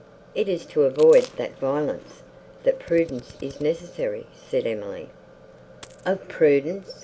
"It is to avoid that violence, that prudence is necessary." said Emily. "Of prudence!"